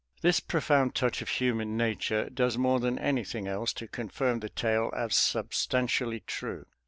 This profound touch of human nature does more than anything else to confirm the tale as substantially true.